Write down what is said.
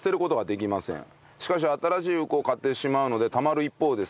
しかし新しい服を買ってしまうのでたまる一方です。